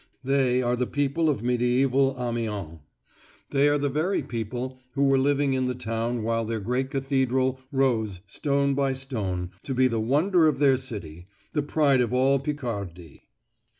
They are the people of mediæval Amiens; they are the very people who were living in the town while their great cathedral rose stone by stone to be the wonder of their city, the pride of all Picardy.